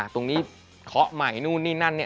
เคาะใหม่นู่นนี่นั่น